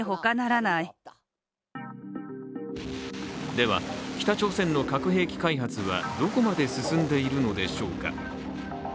では、北朝鮮の核兵器開発はどこまで進んでいるのでしょうか。